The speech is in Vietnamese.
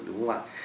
xin phép được hỏi